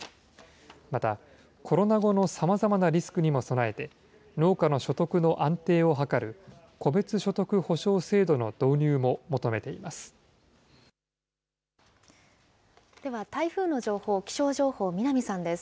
またコロナ後のさまざまなリスクにも備えて、農家の所得の安定を図る、戸別所得補償制度の導入も求めています。